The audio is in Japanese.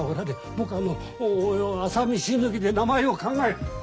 僕は朝飯抜きで名前を考える。